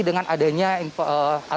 dengan adanya aturan yang disampaikan